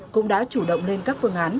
cũng đã chủ động lên các phương án